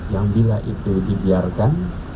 yang bila itu dibiarkan